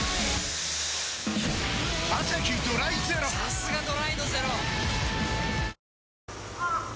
さすがドライのゼロ！